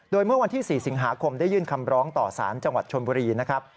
โดยเมื่อวันที่๔สิงหาคมได้ยื่นคำร้องต่อสารจังหวัดชนบุรีนะครับ